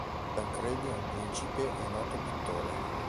Tancredi è un principe e noto pittore.